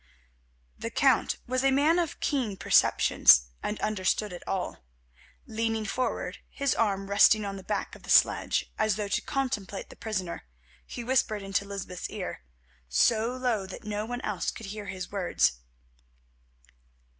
The Count was a man of keen perceptions, and understood it all. Leaning forward, his arm resting on the back of the sledge, as though to contemplate the prisoner, he whispered into Lysbeth's ear, so low that no one else could hear his words.